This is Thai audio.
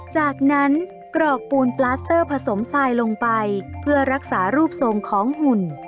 จากนั้นกรอกปูนปลาสเตอร์ผสมทรายลงไปเพื่อรักษารูปทรงของหุ่น